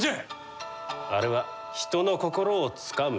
あれは人の心をつかむ天才じゃ。